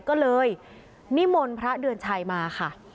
ก็เลยนิมนต์พระเดือนชัยมาค่ะ